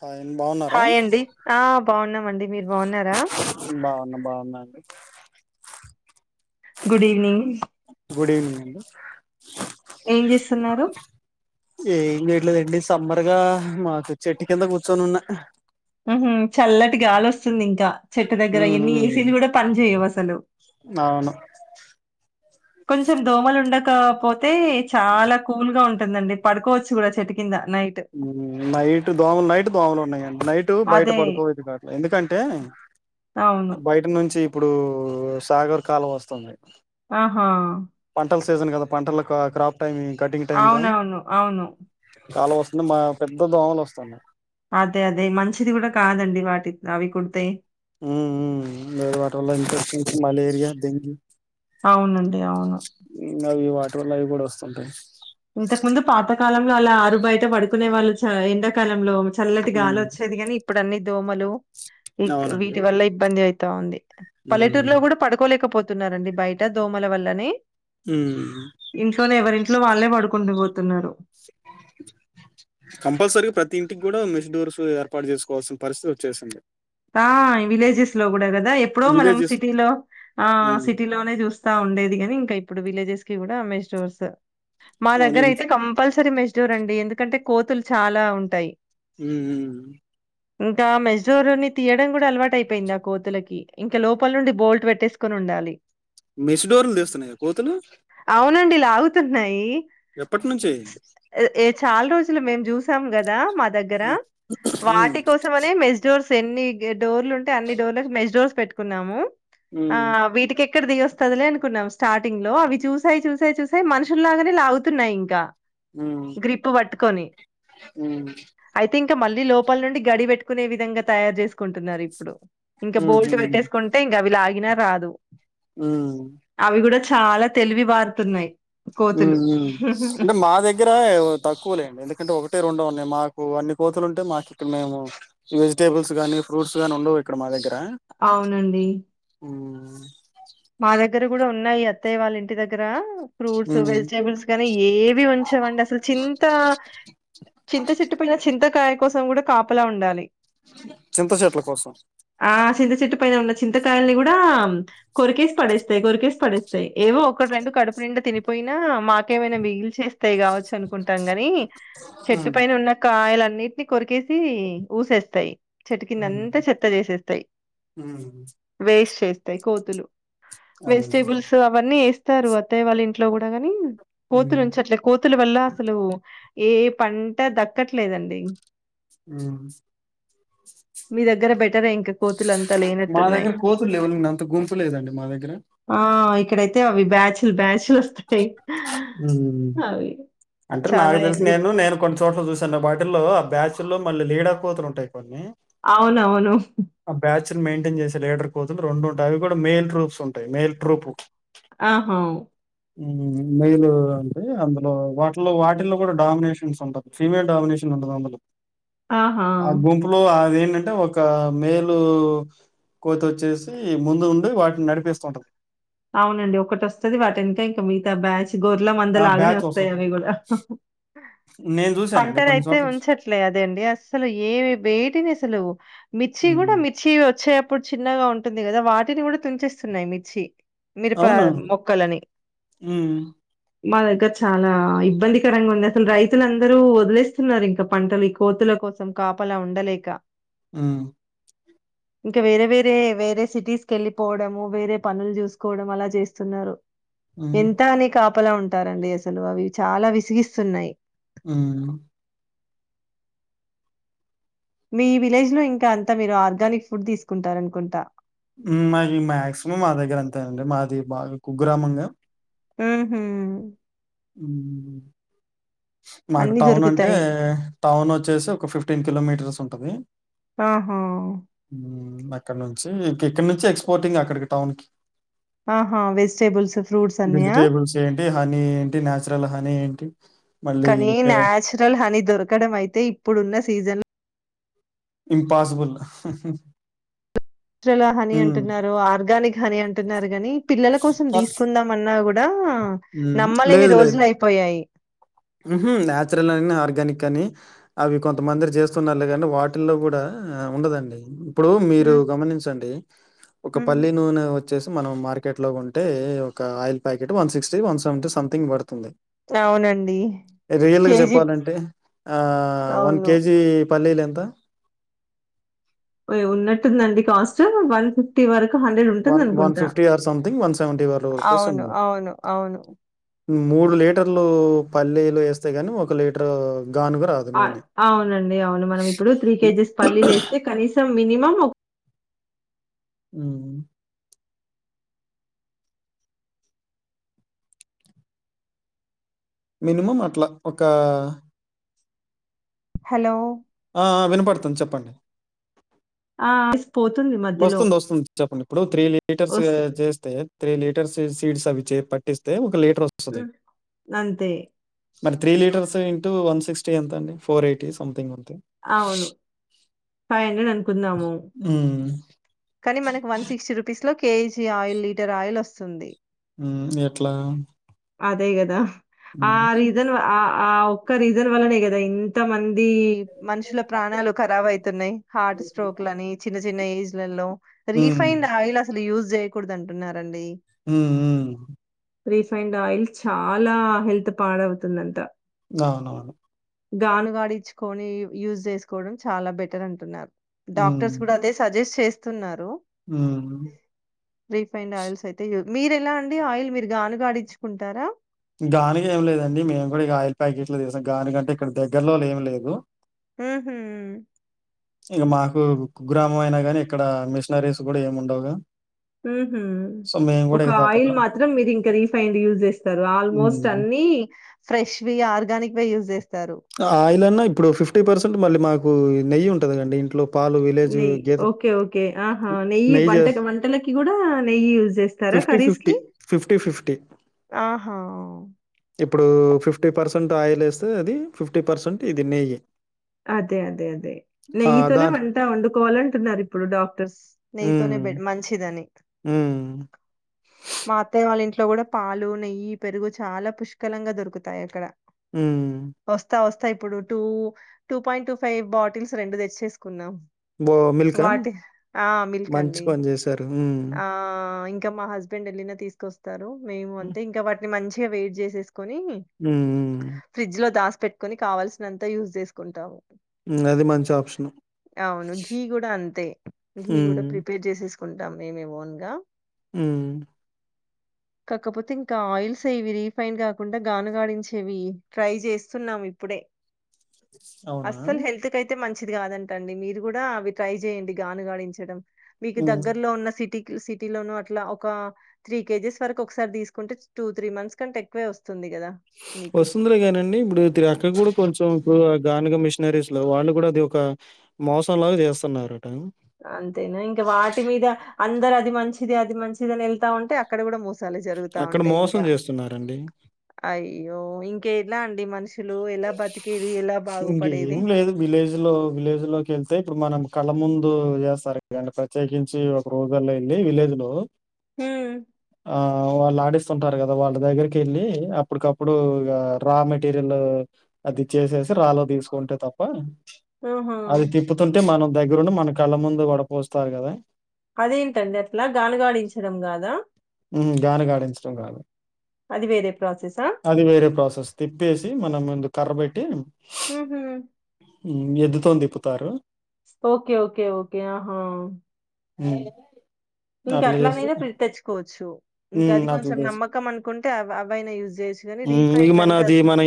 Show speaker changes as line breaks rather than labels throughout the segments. Hi అండి బాగున్నారా
hi అండి ఆ బాగున్నామండి మీరు బాగున్నారా.
బాగున్నా బాగున్నా అండి
గుడ్ ఈవినింగ్.
గుడ్ ఈవినింగ్ అండి.
ఏం చేస్తున్నారు
ఏం చేయలేదండి. సమ్మర్ గా మా చెట్టు కింద కూర్చొని ఉన్నా,
చల్లటి గాలి వస్తుంది. ఇంకా చెట్టు దగ్గర
ఉమ్
ఎన్ని ఏసీలు
ఉమ్
కూడా పని చేయవు అసలు
అవును.
కొంచెం దోమలు ఉండకపోతే చాలా కూల్ గా ఉంటుంది ఉంటుందండి పడుకోవచ్చు కూడా చెట్టు కింద. నైట్
నైట్ దోమలు నైట్ దోమలు ఉన్నాయండి నైట్ బయట
అదే
పడుకోబుద్ధి కాట్లే ఎందుకంటే
అవును
బయట నుంచి ఇప్పుడు సాగర్ కాలువ వస్తుంది.
ఆహా
పంటల సీజన్ కదా పంటలు క్రాప్ టైమ్ కటింగ్ టైమ్ కా
అవునవును అవును
కాలువ వస్తుంది బాగా పెద్ద దోమలు వస్తున్నాయి.
అదే అదే మంచిది కూడా కాదండి వాటి అవి కుడితే.
ఉ ఉ వాటి వల్ల ఇన్ఫెక్షన్స్ మలేరియా డెంగ్యూ.
అవునండి అవును
పెట్రోల్ లవి కూడా వస్తుంటాయి.
ఇంతకు ముందు పాతకాలంలో అలా ఆరు బయట పడుకునే వాళ్ళు చ ఎండాకాలంలో చల్లటిగాలి
ఉమ్
వచ్చేది గాని ఇప్పుడు అన్ని దోమలు
అవునండి
వీటి వల్ల ఇబ్బంది అవుతా ఉంది.
హ్మ్
పల్లెటూరులో కూడా పడుకోలేకపోతున్నారండి బయట దోమల వల్లని
హ్మ్.
ఇంట్లోనే ఎవరింట్లో వాళ్ళే పడుకుంటూ పోతున్నారు.
ఇప్పుడు మెస్ డోర్స్ ఏర్పాటు చేసుకోవాల్సిన పరిస్థితి వచ్చేసింది.
ఆ విలేజెస్ లో కూడా కదా ఎప్పుడో మనం
విలేజెస్
సిటీలో ఆ
హ్మ్.
సిటీలోనే చూస్తా ఉండేది కాని ఇంకా ఇప్పుడు విలేజెస్ కి కూడా మెస్ డోర్స్ మా
అవును.
దగ్గర
ఇన్
అయితే కంపల్సరీ సరి మెస్డూర్ అండి ఎందుకంటే కోతులు చాలా ఉంటాయి.
ఉమ్ ఉమ్
ఇంకా మెస్ డోర్ అని తీయడం కూడా అలవాటు అయిపోయిందా కోతులకి ఇంకా లోపల నుండి బోల్ట్ పెట్టేసుకొని ఉండాలి.
మెస్ డోర్లు తెస్తున్నాయయా కోతులు.
అవునండి లాగుతున్నాయి.
ఎప్పటి నుంచి
ఏ చాలా రోజులు మేము చూసాం కదా మా దగ్గర
హ్మ్.
వాటి కోసం అనే మెస్ డోర్స్ ఎన్ని డోర్లు ఉంటే అన్ని డోర్ మెస్ డోర్స్ పెట్టుకున్నాము ఆ
హ్మ్.
వీటికి ఇక్కడ దిగొస్తుందిలే అనుకున్నాం స్టార్టింగ్ లో అవి చూసాయి చూసాయి చూసాయి మనుషు లాగానే లాగుతున్నాయి ఇంకా
హ్మ్.
గ్రిప్ పట్టుకొని
హ్మ్.
ఐ థింక్ ఇంకా మళ్ళీ లోపల నుండి గడి పెట్టుకునే విధంగా తయారు చేసుకుంటున్నారు ఇప్పుడు ఇంకా
హుహు.
బోల్ట్ పెట్టేసుకుంటే ఇంకా అవి లాగినా రాదు
ఊ
అవి గూడా చాలా తెలివి బారుతున్నాయి
ఉ
కోతులు.
ఊ మా దగ్గర తక్కువలేండి ఎందుకంటే ఒక ఉండవున్నాయి మాకు అన్ని కోతులు ఉంటే మాకు ఇక్కడ మేము వెజటేబుల్స్ గానీ ఫ్రూట్స్ గానీ ఉండవు ఇక్కడ మా దగ్గర
అవునండి
అవును
మా దగ్గర కూడా ఉన్నాయి అత్తయ్య వాళ్ళ ఇంటి దగ్గరా ఫ్రూట్స్
హ్మ్.
వెజిటేబుల్స్ గానీ ఏవి ఉంచావండి అసలు చింత చింత చెట్టు పైన చింతకాయ కోసం కూడా కాపలా ఉండాలి
చింతచేట్ల కోసం
ఆ! చింత చెట్టు పైన ఉన్న చింతకాయల్ని కూడా కొరికేసి పడేస్తాయి కొరికేసి పడేస్తాయి ఏవో ఒకటి రెండు కడుపు నిండా తినిపోయినా మాకేమైనా మీగిల్ చేస్తాయి కావచ్చు అనుకుంటాం గాని చెట్టు
హ్మ్.
పైన ఉన్న కాయలన్నిటిని కొరికేసి ఊసేస్తాయి చెట్ కింద
హ్మ్.
అంతా చెత్త చేసేస్తాయి వేస్ట్ చేస్ కోతులు
అదేలే
వెజిటేబుల్స్ అవన్నీ వేస్తారు అత్తాయి వాళ్ళ ఇంట్లో కూడా గాని కోతులుంచట్లే కోతుల వల్ల అసలు ఏ పంట దక్కట్లేదండి
ఊ
మీ దగ్గర బెటరే ఇంక కోతులు అంతా
మా
లేనట్టున్నాయి
దగ్గర కోతులు లేవులేండి అంత గుంపు లేదండి మా దగ్గర
ఆ ఇక్కడైతే అవి బ్యాచ్ల్ బ్యాచ్
ఉమ్.
అవి
అంటే
చాలా
నాకు తెలిసి
ఎక్
నేను నేను కొన్ని చోట్ల చూశాను వాటిల్లో ఆ బ్యాచ్ లో మళ్ళీ లీడర్ కోతులు ఉంటాయి కొన్ని
అవునవును
ఆ బ్యాచ్ మెయింటైన్ చేసే లీడర్ కోతులు రెండు ఉంటాయి అవి కూడా మేల్ ట్రూప్స్ ఉంటాయి మేల్ ట్రూప్
ఆహ
మేల్ అంటే అందులో వాటిలో వాటిల్లో కూడా డామినేషన్స్ ఉంటది ఫీమేల్ డామినేషన్ ఉంటది అందులో
ఆహా
ఆ గుంపులో అదేంటంటే ఒక మేలు కోత వచ్చేసి ముందు ఉండి వాటినీ నడిపిస్తుంటది
అవునండి ఒకటి వస్తుంది వాటి వెనుక ఇంక మిగతా బ్యాచ్ గోర్ల మంద
ఆ
లాగానే
బ్యాచ్ వస్తుంది
వస్తాయావి కూడా
నేను చూ
పంటను అయితే ఉంచట్లే అదండి అసలు ఏ వేటిని అసలు మిర్చి కూడా
హ్మ్.
మిర్చి వచ్చేప్పుడు చిన్నగా ఉంటుంది కదా వాటిని కూడా తుంచేస్తున్నాయి మిర్చి మిరుప
అవునా?
మొక్కలని
హ్మ్.
మా దగ్గర చాలా ఇబ్బందికరంగా ఉంది అసలు రైతులుందరూ వదిలేస్తున్నారు ఇంకా పంటలు ఈ కోతులకు కోసం కాపలా ఉండలేక
ఊ
ఇంకా వేరే వేరే వేరే సిటీస్ కి వెళ్ళిపోవడము వేరే పనులు చూసుకు కోవడం అలా చేస్తున్నారు
హ్మ్.
ఎంత అని కా పలా ఉంటారండి అసలు అవి చాలా విసిగిస్తున్నాయి
ఉమ్
మీ విలేజ్ లో ఇంకా అంతా మీరు ఆర్గానిక్ ఫుడ్ తీసుకుంటారు అనుకుంటా
మాది మాక్సిమం మా దగ్గర అంతేనండి మాది బాగా కుగ్రామంగా
ఉహు
ఉ మాకు
అన్ని
టౌన్ అంటే
దొరుకుతాయి
టౌన్ వచ్చేసి ఒక ఫిఫ్టీన్ కిలోమీటర్స్ ఉంటుంది
ఆహా
అక్కనుంచి ఎక్కడ నుంచి ఎక్స్పోర్టింగ్ అక్కడికి టౌన్ కి
ఆహా వెజిటేబుల్స్ ఫ్రూట్స్ అన్నియా
వెజిటేబుల్స్ ఏంటి హనీ ఏ నాచురల్ హనీ ఏంటి
కానీ
ఇంకా
నాచురల్ హనీ దొరకడం అయితే ఇప్పుడున్న సీజన్ లో
ఇంపాజిబుల్
హనీ అంటున్నారు ఆర్గానిక్ హనీ అంటున్నారు కాని పిల్లల కోసం తీసుకుందాం అన్నా కూడా కూడా
హ్మ్.
నమ్మలేని రోజులు అయిపోయాయి
నాచురల్ అని ఆర్గానిక్ అని అవి కొంతమంది చేస్తున్నారు లే కానీ వాటిల్లో కూడా ఆ ఉండదండి ఇప్పుడు మీరు
హ్మ్
గమనించండి ఒక
హ్మ్
పల్లి నూనె వ చ్చసి మనం మార్కెట్ లో ఉంటే ఒక oil packet one sixty one seventy something పడుతుంది
అవునండి
రియల్గా
కేజీ
చెప్పాలంటే ఆ వన్
అవును
కేజీ పల్లిలేంత
ఉన్నట్టుందండి కాస్ట్ వన్ ఫిఫ్టీ వరకు హండ్రెడ్ ఉంటుంది
వన్ వన్
అనుకుంటా
ఫిఫ్టీ ఆర్ సంథింగ్ ఆర్
అవును అవును అవును
మూడు లీటర్లు పల్లీలు వేస్తే కానీ ఒక లీటరు
అవునండి అవును మనం ఇప్పుడు త్రీ కేజెస్ పల్లీలు వేస్తే కనీసం మినిమం
అ మినిమం అట్లా ఒక
హలో
ఆ వినపడుతుాంది చెప్పండి
ఆస్ పోతుంది మధ్యలో
వస్తుంది వస్తుంది చెప్పండి ఇప్పుడు త్రీ లీటర్స్
వస్
చేస్తే త్రీ లీటర్స్ సీడ్స్ అవి చే పట్టిస్తే ఒక లీటర్ వస్తుంది
అంతే
మరి three litres into one sixty ఎంత అండి ఫోర్ ఎయిటీ సంథింగ్ ఉంది
అవును ఫైవ్ హండ్రెడ్ అనుకుందాము
ఉమ్,
కానీ మనకి వన్ సిక్స్టీ రూపీస్ లో కేజీ ఆయిల్ లీటర్ ఆయిల్ వస్తుంది
ఎట్లా
అదే కదా ఆ
ఉమ్,
రీజన్ ఆ ఆ ఒక్క రీజన్ వలనే కదా ఇంత మంది మనుషుల ప్రాణాలు ఖరాబ అవుతున్నాయి హార్ట్ స్ట్రోక్ లని చిన్న చిన్న ఏజ్లలో
ఉమ్,
రిఫైన్డ్ ఆయిల్ అసలు యూజ్ చేయకూడదు అంటున్నారండి
హ
రిఫైండ్ ఆయిల్ చాలా హెల్త్ పాడవుతుందంట
అవునవును
గాను గాడి ఇచ్చుకొని యూజ్ చేసుకోవడం చాలా బెటర్ అంటున్నారు
ఉమ్,
డాక్టర్స్ కూడా అదే సజెస్ట్ చేస్తున్నారు
ఉమ్.
రి అ మీరు ఎలా అండి ఆయిల్ మీరు గానుగాడించుకుంటారా
గానిక ఏం లేదండి మేము కూడా ఇక ఆయిల్ ప్యాకెట్లు తీసాం గానికంటే ఇక్కడ దగ్గరలో ఏమి లేదు
హ హ
ఇంక మాకు గ్రామం అయినా కానీ ఇక్కడ మిషనరీస్ కూడా ఏము ఉండవుగా
హ
సో మేము కూడా
ఒక
ఇక
ఆయిల్
తప్పట్లా
మాత్రం మీరు ఇంకా రిఫైన్డ్ యూజ్ చేస్తారు ఆల్మోస్ట్
హ్మ్.
అన్ని ఫ్రెష్ ఆర్గానిక్గా యూస్ చేస్త
ఆయిల్ అన్నా ఇప్పుడు ఫిఫ్టీ పర్సెంట్ మళ్ళీ మాకు నెయ్యి ఉంటది కండి ఇంట్లో పాలు విలేజ్
నెయ్యి
గేదె
ఓకే ఓకే ఆహా నెయ్యి వంట వంటలకి కూడా నెయ్యి యూజ్ చేస్తారు
ఫిఫ్టీ ఫిఫ్టీ ఫిఫ్టీ ఫిఫ్టీ
ఆహా
ఇప్పుడు ఫిఫ్టీ పర్సెంట్ ఆయిల్ వేస్తే అది ఫిఫ్టీ పర్సెంట్ ఇది నెయ్యి
అదే అదే అదే
ఆ! నెయ్యి.
నెయ్యితోనే
దాన్
వంట వండుకోవాలంటున్నారు ఇప్పుడు డాక్టర్స్ నెయ్యితో బడ్ మంచిదని
హ
మా అత్తయ్య వాళ్ళ ఇంట్లో కూడా పాలు నెయ్యి పెరుగు చాలా పుష్కలంగా దొరుకుతాయి అక్కడ
హ
ఇప్పుడు two two point two five bottles రెండు తెచ్చేసుకున్నాం
బో మిల్కా?
వాటి ఆ
మంచి
మల్కండి
పని జేశారు. హ్మ్.
ఆ ఇంకా మా హస్బెండ్ వెళ్ళిన తీసుకొస్తారు మేము
హ్మ్.
అంతే ఇంకా వాటిని మంచి వెయి చేని
హ్మ్.
ఫ్రిజ లో దా పెట్టుకుని కావాల్సినంతా యూజ్ చేసుకుంటావు
అది మంచి ఆప్షను.
అవును ఘీ కూడా అంతే ఘీ కూడా
హ్మ్.
ప్రిపేర్ చేసేసుకుంటా మేమేమోన్గా
ఆ
కాకపోతే ఇంకా ఆయిల్స్ అవి రీఫైన్ కాకుండా గాన గాడించేవి ట్రై చేస్తున్నాం ఇప్పుడే [inaudible]
అవునా?
అస్సలు హెల్త్ క అయితే మంచిది, కాదంట అండి మీరు గూడా అవి ట్రై చేయండి, గాను గాడించడం
మ్
సిటీ సిటీ లోను అట్లా ఒక త్రీ కేజెస్ వరకు ఒకసారి తీసుకుంటే టూ త్రీ మంత్స్ కంటే ఎక్కువే వస్త
వస్తుందలే కానండి ఇప్పుడు తిరి అక్క కూడా కొంచెం ఇప్పుడు గానుగ మిషనరీస్ లో వాళ్ళు కూడా అది ఒక మోసం లాగా చేస్తున్నారు
అంతేనా ఇంకా వాటి మీద అందరు అది మంచిది అది మంచిది అని వెళ్తా ఉంటే అక్కడ కూడా మె స్ సలు జరుగుతా
అక్కడ
ఉంటాయి
మోసం
ఇంకా
జేస్తున్నారండి.
అయ్యో ఇంక ఎలా అండి మనిషి
ఇంకె లేదు విలేజ్ లో విలేజ్ లోకి వెళ్తే ఇప్పుడు మనం కళ్ళ ముందు చేస్తారు కా ప్రత్యేకించి ఒక రోజుల్లో వెళ్ళి విలేజ్ లో
ఉమ్
ఆ వాళ్ళు ఆడిస్తుంటారు గదా వాళ్ళ దగ్గరికి వెళ్ళి అప్పుటికప్పుడు రా మెటీరియల్ అది చేసేసి రాలో తీసుకుంటే తప్ప
ఆహా.
అది తిప్పుతుంటే మనం దగ్గరుండి మన కళ్ళ ముందు వడపోస్తారు గదా
అదేంటండి అట్లా గానగాడించడం గాదా
మ్ గానుగాడించడం కాదు
అది వేరే ప్రాసెసా?
అది వేరే ప్రాసెస్ తిప్పేసి మనం ముందు కర్ర పెట్టి
ఉ హు
ఎద్దుతో తిప్పుతారు
ఓకే ఓకే ఓకే ఆహా
ఉ
ఇంకా అట్లానేనా తెచ్చుకోవచ్చు సో ఇంకా
హ్మ్,
అది
అట్లా
కొంచెం
చేస్తే
నమ్మకం అనుకుంటే అవైనా యూజ్ చేయొచ్చు గానీ
హ్మ్, ఇక
రీఫైండ్
మన
అంటే
అది
అసలు
మన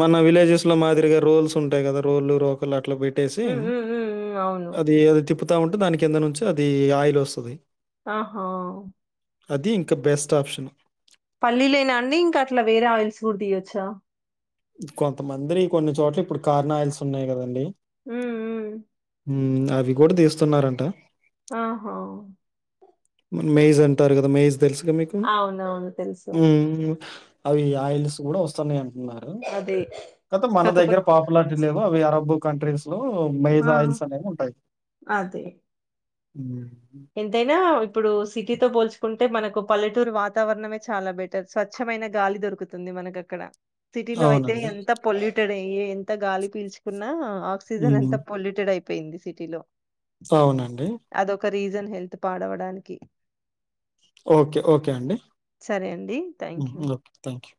మన విలేజెస్ లో మాదిరిగా రోల్స్ ఉంటాయి గదా రోల్లు రోకలు అ అట్లా పెట్టేసి
హ్మ్. హ్మ్. హ్మ్. హ్మ్. అవును.
అది అది తిప్పుతా ఉంటే దాని కింద నుంచి అది ఆయిల్ వస్తది
ఆహా
అది ఇంకా బెస్ట్ ఆప్షన్
ఉర్ దియొచ్చా
కొంతమంది కొన్ని చోట్ల ఇప్పుడు కార్నా ఆయిల్స్ ఉన్నాయి కదండి
ఉ ఉ
మ్ అవి గూడా తీస్తున్నారంట
ఆహా
మ మేజ్ అంటారు గదా మేజ్ తెలుసుకదా మీకు
అవునవును. తెలుసు.
అవి ఆయిల్స్ గూడా వస్తున్నాయి
అదే
అ మన దగ్గర
కాకపోతే
పాపులారిటీ లేవు అవి అరబ్బు కంట్రీస్ ఇ లో
ఆ!
మేజాయిల్స్ అనేవి ఉంటాయి
అదే.
మ్
ఎంతైనా ఇప్పుడు సిటీతో పోల్చుకుంటే మనకు పల్లెటూరు వాతావరణమే చాలా బెటర్ స్వచ్ఛమైన గాలి దొరుకుతుంది మనకి అక్కడ సిటీలో అయితే
అవునండి.
ఎంత పొల్యూటెడ్ అయి ఎంత గాలి పీల్చుకున్నా ఆక్సిజన్ ఎంత
హ్మ్.
పొల్యూటెడ్ అయిపోయింది సిటీలో
అవునండి
అదొక రీజన్ హెల్త్ పాడవడానికి
ఓకే ఓకే అండి
సరే అండి. థాంక్యూ.
Okay thank you